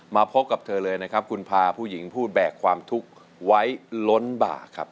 มาพบกับเธอเลยนะครับคุณพาผู้หญิงพูดแบกความทุกข์ไว้ล้นบ่าครับ